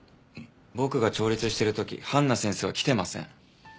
僕が調律してる時ハンナ先生は来てません。